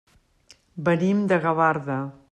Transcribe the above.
Venim de Gavarda.